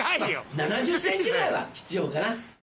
７０ｃｍぐらいは必要かな。